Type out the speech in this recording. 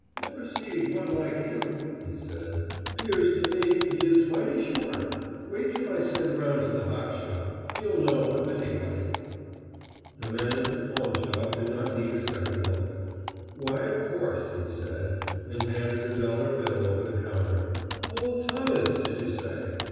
"Never seed one like him," he said. "'Pears to me he is mighty short. Wait till I send round to the hockshop. He'll know, if anybody." The man at the pawnshop did not need a second look. "Why, of course," he said, and handed a dollar bill over the counter. "Old Thomas, did you say?